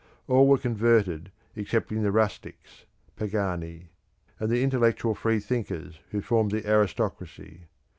All were converted excepting the rustics (pagani) and the intellectual free thinkers, who formed the aristocracy.